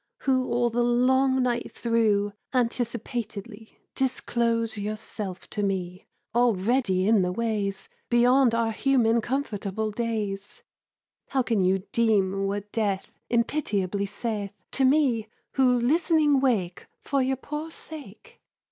Who all the long night through Anticipatedly Disclose yourself to me Already in the ways Beyond our human comfortable days; How can you deem what Death Impitiably saith To me, who listening wake For your poor sake?